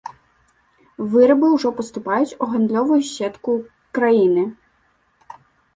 Вырабы ўжо паступаюць у гандлёвую сетку краіны.